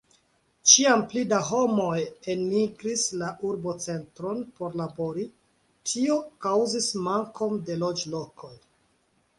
Ĉiam pli da homoj enmigris la urbocentron por labori; tio kaŭzis mankon de loĝlokoj.